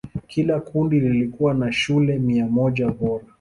Kila kundi likiwa na shule mia moja bora.